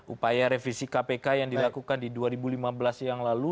upaya revisi kpk yang dilakukan di dua ribu lima belas yang lalu